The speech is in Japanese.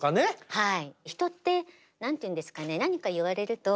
はい。